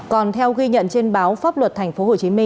còn theo ghi nhận trên báo pháp luật tp hcm